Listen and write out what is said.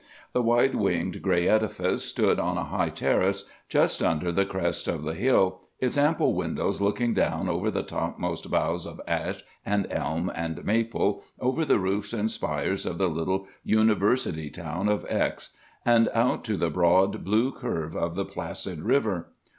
The wide winged gray edifice stood on a high terrace just under the crest of the hill, its ample windows looking down over the topmost boughs of ash and elm and maple over the roofs and spires of the little university town of X——, and out to the broad blue curve of the placid river.